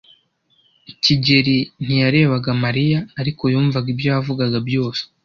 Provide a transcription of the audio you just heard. kigeli ntiyarebaga Mariya, ariko yumvaga ibyo yavugaga byose.